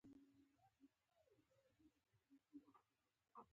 امام رازی رحمه الله : ټول امت په اتفاق سره دا خبره ثابته سوی